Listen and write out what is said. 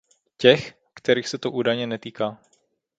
Těch, kterých se to údajně netýká.